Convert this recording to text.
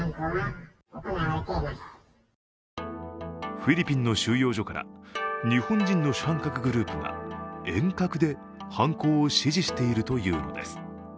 フィリピンの収容所から日本人の主犯格グループが遠隔で犯行を指示しているというのです。